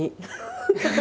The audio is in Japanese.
ハハハ！